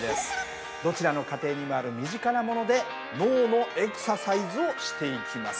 どちらの家庭にもある身近なもので脳のエクササイズをしていきます。